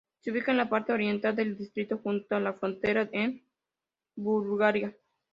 Se ubica en la parte oriental del distrito junto a la frontera con Bulgaria.